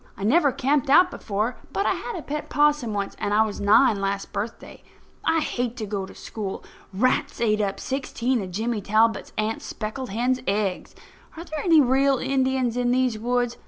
I never camped out before; but I had a pet 'possum once, and I was nine last birthday. I hate to go to school. Rats ate up sixteen of Jimmy Talbot's aunt's speckled hen's eggs. Are there any real Indians in these woods?